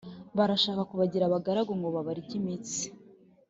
Barashaka kubagira abagaragu ngo babarye imitsi